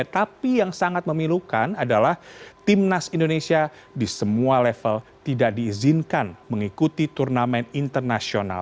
tapi yang sangat memilukan adalah timnas indonesia di semua level tidak diizinkan mengikuti turnamen internasional